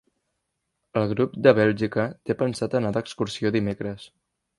El grup de Bèlgica té pensat anar d'excursió dimecres.